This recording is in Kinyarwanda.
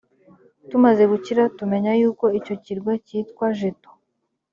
tumaze gukira tumenya yuko icyo kirwa cyitwa jeto